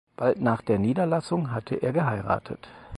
Bald nach der Niederlassung hatte er geheiratet.